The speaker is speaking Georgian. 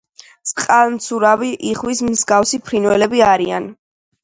წყალმცურავი, იხვის მსგავსი ფრინველები არიან.